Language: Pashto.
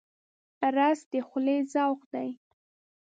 رس د خولې ذوق دی